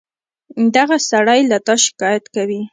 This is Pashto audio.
دغه سړى له تا شکايت کوي.